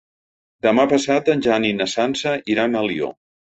Demà passat en Jan i na Sança iran a Alió.